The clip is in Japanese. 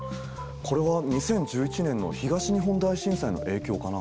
これは２０１１年の東日本大震災の影響かな？